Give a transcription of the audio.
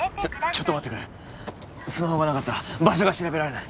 ちょっと待ってくれスマホがなかったら場所が調べられない